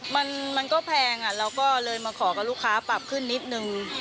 มันก็แพงอ่ะเราก็เลยมาขอกับลูกค้าปรับขึ้นนิดนึง